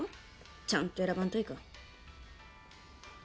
ちゃんと選ばんといかん